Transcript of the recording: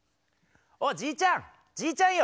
おじいちゃんじいちゃんよ！